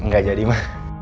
gak jadi ma